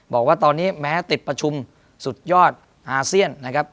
บอกว่าตอนนี้แม้ติดประชุมสุดยอดอาเซียนนะครับ